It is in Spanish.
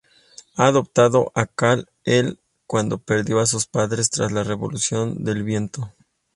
Ha adoptado a Kal-el cuándo perdió a sus padres tras la revolución del viento.